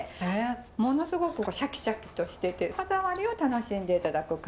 ものすごくシャキシャキとしてて歯触りを楽しんでいただく感じ。